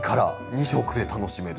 ２色で楽しめると。